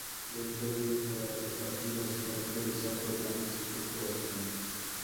La historia electoral del partido se caracteriza por grandes fluctuaciones.